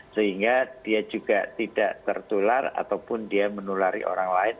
sehingga dia juga tidak tertular ataupun dia menulari orang lain